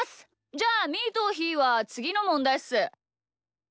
じゃあみーとひーはつぎのもんだいっす！